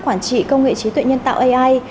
quản trị công nghệ trí tuệ nhân tạo ai